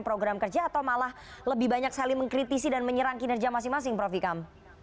program kerja atau malah lebih banyak saling mengkritisi dan menyerang kinerja masing masing prof ikam